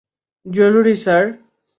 জরুরী, স্যার।